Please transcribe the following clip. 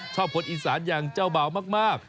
ชอบคนอีสานอย่างเจ้าเบามาก